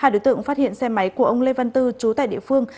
hai đối tượng phát hiện xe máy của ông lê văn tư trú tại địa phương